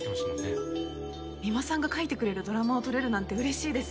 三馬さんが書いてくれるドラマを撮れるなんて嬉しいです。